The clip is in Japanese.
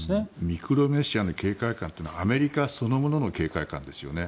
ミクロネシアの警戒感というのはアメリカそのものの警戒感ですよね。